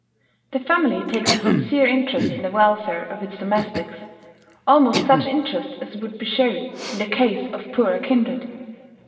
The family takes a sincere interest in the welfare of its domestics, almost such interest as would be shown in the case of poorer kindred.